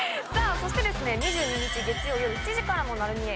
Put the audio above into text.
そして２２日月曜夜７時からの『まる見え！』